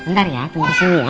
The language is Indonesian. ntar ya tunggu disini ya